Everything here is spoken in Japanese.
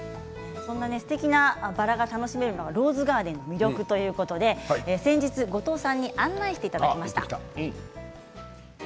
そんなすてきなバラが楽しめるのがローズガーデンの魅力ということで先日、後藤さんに案内していただきました。